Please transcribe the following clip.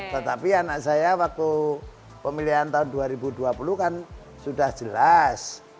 tetapi anak saya waktu pemilihan tahun dua ribu dua puluh kan sudah jelas